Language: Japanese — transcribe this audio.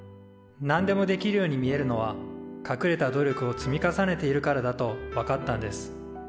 何でもできるように見えるのはかくれた努力を積み重ねているからだと分かったんです。